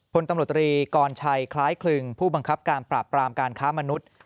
พลตำรวจตรีกรชัยคล้ายคลึงผู้บังคับการปราบปรามการค้ามนุษย์